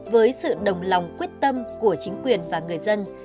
với sự đồng lòng quyết tâm của chính quyền và người dân